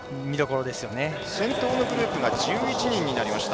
先頭のグループが１１人になりました。